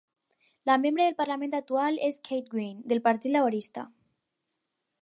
La membre del Parlament actual és Kate Green del partit laborista.